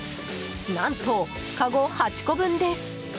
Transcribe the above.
何と、かご８個分です！